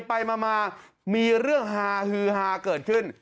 ไปมามีเรื่องฮาฮือฮาเกิดขึ้น